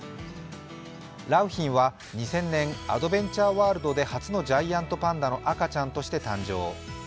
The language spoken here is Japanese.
良浜は２０００年、アドベンチャーワールドで初のジャイアントパンダの赤ちゃんとして誕生。